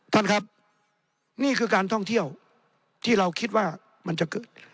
ท่านครับนี่คือการท่องเที่ยวที่เราคิดว่ามันจะเกิด